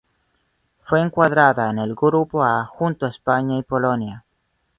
Fue encuadrada en el Grupo A junto a España y Polonia.